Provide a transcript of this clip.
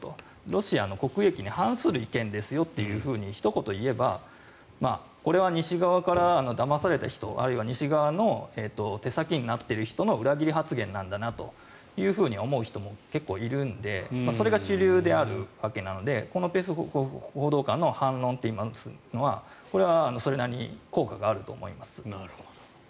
ロシアの国益に反する意見ですよとひと言言えばこれは西側からだまされた人あるいは西側の手先になっている人の裏切り発言なんだなというふうに思う人も結構いるのでそれが主流であるわけなのでこのペスコフ報道官の反論はこれはそれなりに効果があると思います。